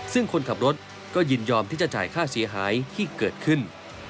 ซึ่งคนขับรถก็ยินยอมที่จะจ่ายค่าเสียหายที่เกิดขึ้น